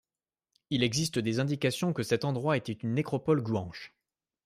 Il existe des indications que cet endroit était une nécropole Guanche.